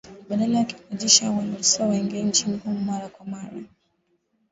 Badala yake wanajeshi hao waliruhusiwa waingie nchini humo mara kwa mara.